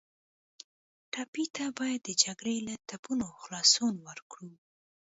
ټپي ته باید د جګړې له ټپونو خلاصون ورکړو.